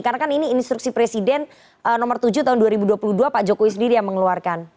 karena kan ini instruksi presiden nomor tujuh tahun dua ribu dua puluh dua pak jokowi sendiri yang mengeluarkan